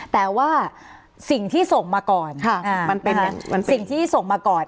แต่ว่าสิ่งที่ส่งมาก่อนมันเป็นสิ่งที่ส่งมาก่อน